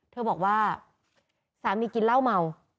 เธอบอกว่าสามีกินเหล้าเมา